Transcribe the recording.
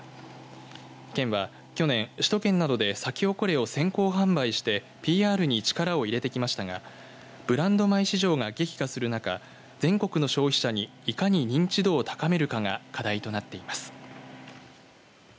県は去年、首都圏などでサキホコレを先行販売してＰＲに力を入れてきましたがブランド米市場が激化する中、全国の消費者にいかに認知度を高めるかが課題となっています。